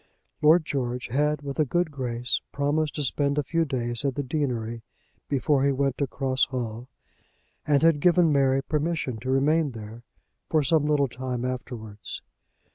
Lord George had, with a good grace, promised to spend a few days at the deanery before he went to Cross Hall, and had given Mary permission to remain there for some little time afterwards.